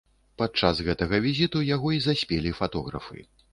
Падчас гэтага візіту яго і заспелі фатографы.